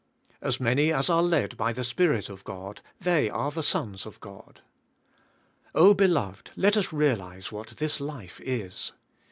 '' As many as are led by the Spirit of God they are the sons of God." Oh, beloved let us realize what this life is.